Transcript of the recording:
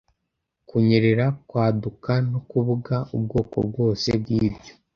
Kunyerera, kwaduka no kubaga ubwoko bwose bwibyo